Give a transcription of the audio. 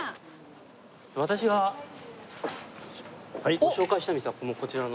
私がご紹介したい店はこのこちらの。